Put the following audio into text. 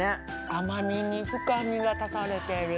甘みに深みが足されてる